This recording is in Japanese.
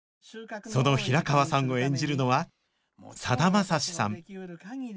その平川さんを演じるのはさだまさしさん